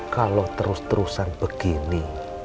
kalau terus terusan begini